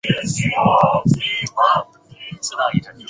一项有关高分辨率单倍型。